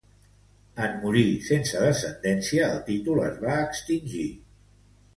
En morir sense descendència el títol es va extingir.